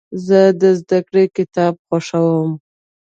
زه د زدهکړې کتاب خوښوم.